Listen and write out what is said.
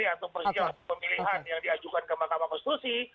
atau persidangan pemilihan yang diajukan ke mahkamah konstitusi